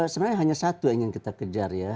sebenarnya hanya satu yang ingin kita kejar ya